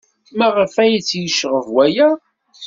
Maɣef ay tt-yecɣeb waya?